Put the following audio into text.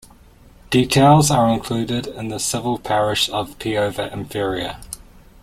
Details are included in the civil parish of Peover Inferior.